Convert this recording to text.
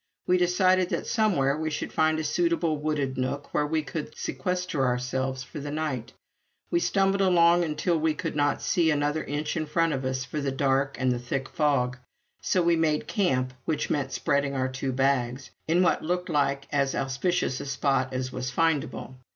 We decided that somewhere we should find a suitable wooded nook where we could sequester ourselves for the night. We stumbled along until we could not see another inch in front of us for the dark and the thick fog; so made camp which meant spreading out two bags in what looked like as auspicious a spot as was findable.